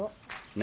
何？